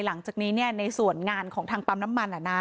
หลังจากนี้ในส่วนงานของทางปั๊มน้ำมัน